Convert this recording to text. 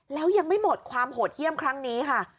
แล้วยังไม่หมดความโหดเยี่ยมครั้งนี้ค่ะ